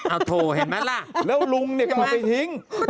เอาโถเห็นไหมล่ะแล้วลุงเนี่ยก็เอาไปทิ้ง